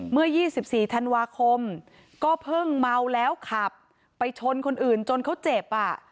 เมื่อ๒๔ธันวาคมก็เพิ่งเมาแล้วขับไปชนคนอื่นจนเขาเจ็บอ่ะ